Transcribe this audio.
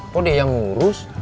kok dia yang ngurus